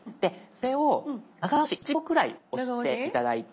それを長押し１秒くらい押して頂いて。